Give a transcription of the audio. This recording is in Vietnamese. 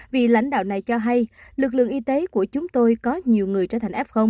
vị lãnh đạo này cho hay lực lượng y tế của chúng tôi có nhiều người trở thành f